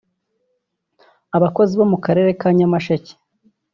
Abakozi bo mu karere ka Nyamasheke